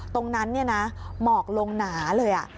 ตรงนั้นหมอกลงหนาเลย